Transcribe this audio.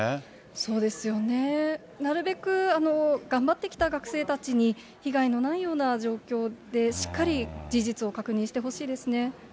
そうですよね。なるべく頑張ってきた学生たちに被害のないような状況で、しっかり事実を確認してほしいですね。